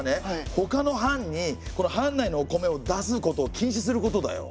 ほかの藩に藩内のお米を出すことを禁止することだよ。